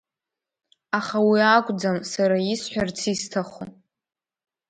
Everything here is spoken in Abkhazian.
Аха уи акәӡам сара исҳәарц исҭаху.